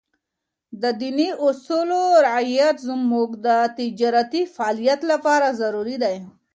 د ديني اصولو رعایت زموږ د تجارتي فعالیت لپاره ضروري دی.